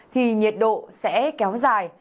thì nhiệt độ sẽ kéo dài